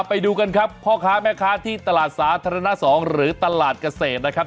ไปดูกันครับพ่อค้าแม่ค้าที่ตลาดสาธารณ๒หรือตลาดเกษตรนะครับ